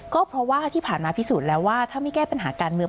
ก็เพราะว่าที่ผ่านมาพิสูจน์แล้วว่าถ้าไม่แก้ปัญหาการเมือง